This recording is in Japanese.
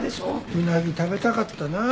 うなぎ食べたかったなあ。